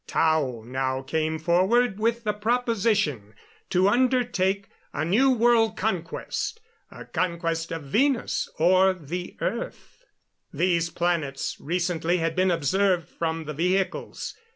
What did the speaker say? Tao now came forward with the proposition to undertake a new world conquest a conquest of Venus or the earth. These planets recently had been observed from the vehicles.